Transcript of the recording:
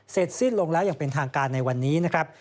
สิ้นลงแล้วอย่างเป็นทางการในวันนี้นะครับ